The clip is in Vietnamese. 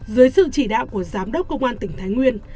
dưới sự chỉ đạo của giám đốc công an tỉnh thái nguyên